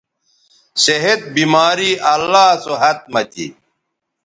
صحت، بیماری اللہ سو ھت مہ تھی